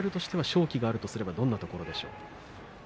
翔猿としては勝機があるとすればどんなところでしょう。